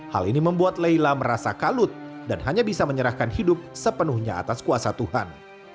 hal ini membuat leila merasa kalut dan hanya bisa menyerahkan hidup sepenuhnya atas kuasa tuhan